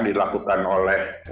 dilakukan oleh afganistan